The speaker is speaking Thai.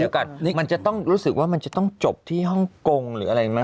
มันจะต้องรู้สึกว่ามันจะต้องจบที่ฮ่องกงหรืออะไรไหม